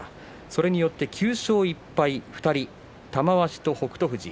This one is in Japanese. それによって９勝１敗が２人玉鷲と北勝富士。